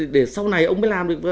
để sau này ông mới làm được